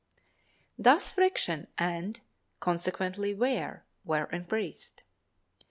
Thus friction and, consequently, wear were increased.